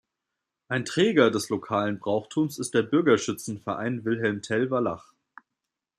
Ein Träger des lokalen Brauchtums ist der "Bürgerschützenverein Wilhelm Tell Wallach".